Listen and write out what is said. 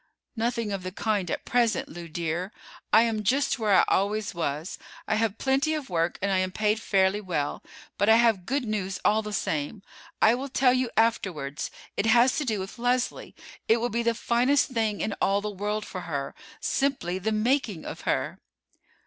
"Nothing of the kind at present, Lew, dear. I am just where I always was. I have plenty of work, and I am paid fairly well; but I have good news all the same. I will tell you afterwards. It has to do with Leslie. It will be the finest thing in all the world for her, simply the making of her."